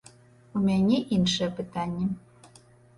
У мяне іншае пытанне.